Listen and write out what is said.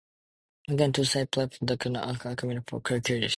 Wickham had two side platforms that could only accommodate four carriages.